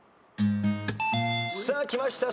さあきました。